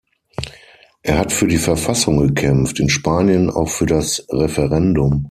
Er hat für die Verfassung gekämpft, in Spanien auch für das Referendum.